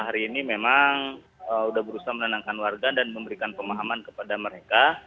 hari ini memang sudah berusaha menenangkan warga dan memberikan pemahaman kepada mereka